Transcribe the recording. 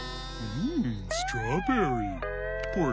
うん？